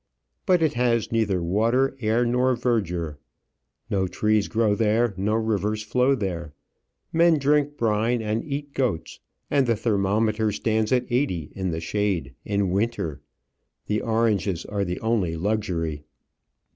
But it has neither water, air, nor verdure. No trees grow there, no rivers flow there. Men drink brine and eat goats; and the thermometer stands at eighty in the shade in winter. The oranges are the only luxury.